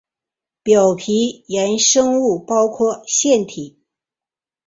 表皮衍生物包括腺体和表皮外骨骼。